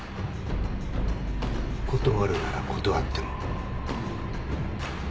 断るなら断っても。